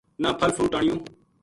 نہ پھل فروٹ آنیوں